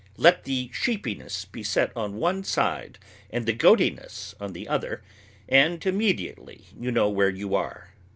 Let the sheepiness be set on one side and the goatiness on the other, and immediately you know where you are.